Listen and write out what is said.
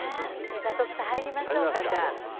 さあ徳さん入りましょうか。